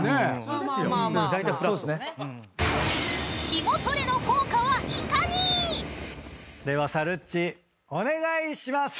［ヒモトレの効果はいかに⁉］ではさるっちお願いします。